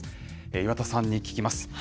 岩田さんに聞きます。